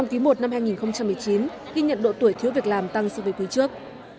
trong quý i năm hai nghìn một mươi chín ghi nhận độ tuổi thiếu việc làm tăng so với quý trước